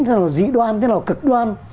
thế nào là dĩ đoan thế nào là cực đoan